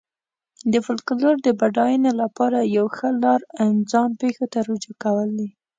د فولکلور د بډاینې لپاره یوه ښه لار ځان پېښو ته رجوع کول دي.